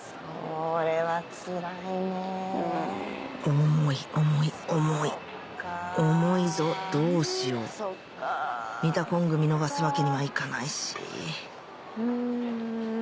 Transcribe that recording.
重い重い重い重いぞどうしようミタコング見逃すわけにはいかないしん。